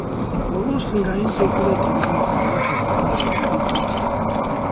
Oluusi ng'ayinza okuleeta emboozi ne watabaawo amuwuliriza.